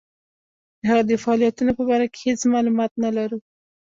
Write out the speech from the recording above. د هغه د فعالیتونو په باره کې هیڅ معلومات نه لرو.